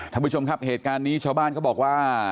ท่านผู้ชมครับเหตุการณ์นี้ชาวบ้านเขาบอกว่า